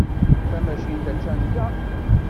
Tamacint attan da.